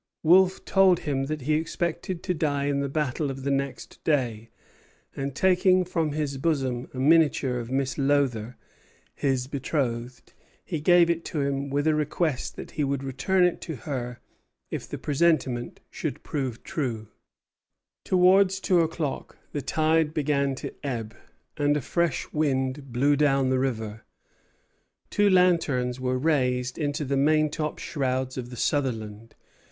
Wolfe told him that he expected to die in the battle of the next day; and taking from his bosom a miniature of Miss Lowther, his betrothed, he gave it to him with a request that he would return it to her if the presentiment should prove true. Tucker, Life of Earl St. Vincent, I. 19. (London, 1844.) Towards two o'clock the tide began to ebb, and a fresh wind blew down the river. Two lanterns were raised into the maintop shrouds of the "Sutherland."